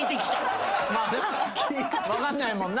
分かんないもんな。